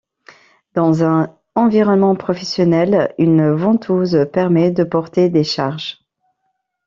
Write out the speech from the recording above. Dans un environnement professionnel, une ventouse permet de porter des charges.